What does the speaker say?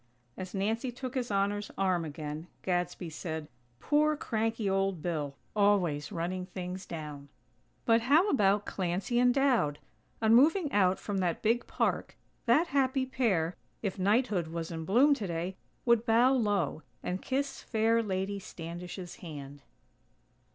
As Nancy took His Honor's arm again, Gadsby said: "Poor, cranky old Bill! Always running things down." But how about Clancy and Dowd? On moving out from that big park, that happy pair, if Knighthood was in bloom today, would bow low, and kiss fair Lady Standish's hand.